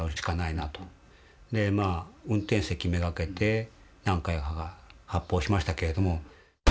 で運転席目がけて何回か発砲しましたけれども。